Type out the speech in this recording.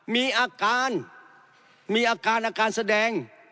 มีอาการมีอาการอาการแสดง